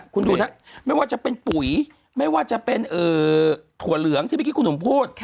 คุณดูนะไม่ว่าจะเป็นปุ๋ยไม่ว่าจะเป็นถั่วเหลืองที่เมื่อกี้คุณหนุ่มพูด